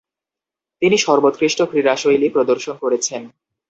তিনি সর্বোৎকৃষ্ট ক্রীড়াশৈলী প্রদর্শন করেছেন।